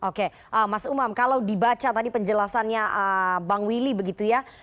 oke mas umam kalau dibaca tadi penjelasannya bang willy begitu ya